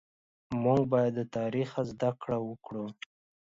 مونږ بايد د تاريخ زده کړه وکړو